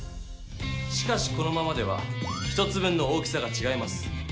しかしこのままでは１つ分の大きさがちがいます。